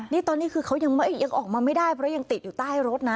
นี่ตอนนี้คือเขายังออกมาไม่ได้เพราะยังติดอยู่ใต้รถนะ